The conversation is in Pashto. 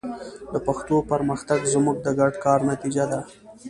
د پښتو پرمختګ زموږ د ګډ کار نتیجه ده.